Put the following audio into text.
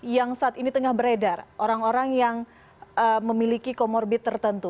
yang saat ini tengah beredar orang orang yang memiliki comorbid tertentu